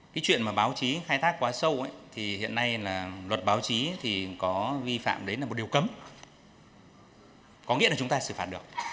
cái chuyện mà báo chí khai thác quá sâu thì hiện nay là luật báo chí thì có vi phạm đấy là một điều cấm có nghĩa là chúng ta xử phạt được